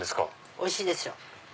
おいしいですよ。